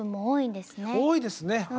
多いですね。